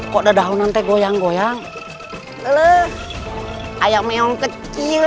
kok ada daun nanti goyang goyang lelah ayam meong kecil